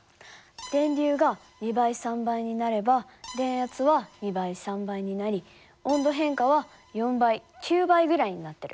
電流が２倍３倍になれば電圧は２倍３倍になり温度変化は４倍９倍ぐらいになってる。